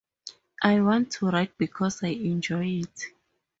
I want to write because I enjoy it.